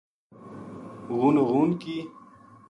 غونو غون کی